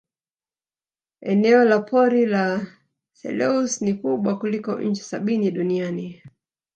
eneo la pori la selous ni kubwa kuliko nchi sabini duniani